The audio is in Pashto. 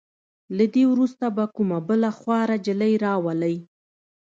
له دې وروسته به کومه بله خواره نجلې راولئ.